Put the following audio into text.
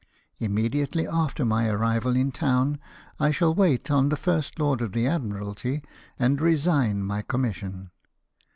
Immediately after my arrival in town I shall wait on the First Lord of the Admiralty, and resign my commission."